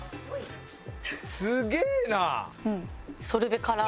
すげえな！